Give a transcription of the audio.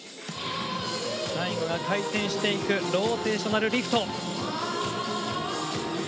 最後は回転していくローテーショナルリフト。